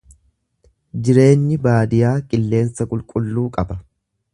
Jireenyi baadiyaa qilleensa qulqulluu qaba.